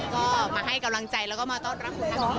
ก็มาให้กำลังใจแล้วก็มาต้นรับคุณนะครับ